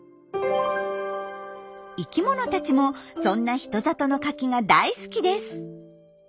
生きものたちもそんな人里のカキが大好きです。